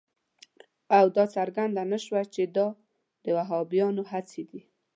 او دا څرګنده نه شوه چې دا د وهابیانو هڅې دي.